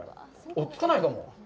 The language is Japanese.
追いつかないかも。